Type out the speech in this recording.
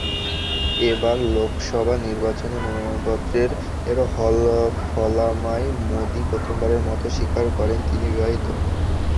এবার লোকসভা নির্বাচনে মনোনয়নপত্রের হলফনামায় মোদি প্রথমবারের মতো স্বীকার করেন, তিনি বিবাহিত।